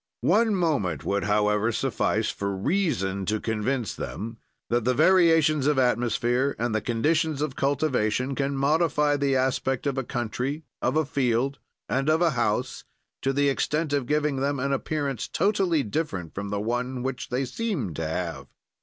"One moment would, however, suffice for reason to convince them that the variations of atmosphere and the conditions of cultivation can modify the aspect of a country, of a field, and of a house, to the extent of giving them an appearance totally different from the one which they seemed to have.